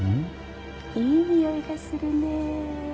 いい匂いがするね。